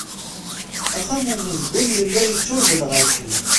Axxam umezgun yella yeččur d lɣaci.